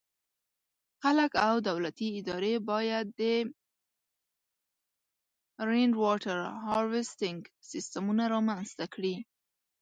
خلک او دولتي ادارې باید د “Rainwater Harvesting” سیسټمونه رامنځته کړي.